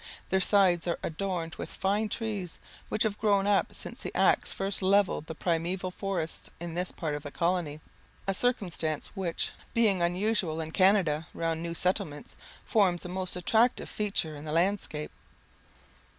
Their sides are adorned with fine trees, which have grown up since the axe first levelled the primeval forests in this part of the colony; a circumstance which, being unusual in Canada round new settlements, forms a most attractive feature in the landscape.